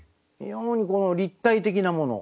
非常にこの立体的なもの。